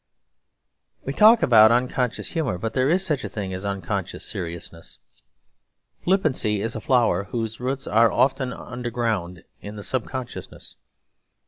We talk about unconscious humour; but there is such a thing as unconscious seriousness. Flippancy is a flower whose roots are often underground in the subconsciousness.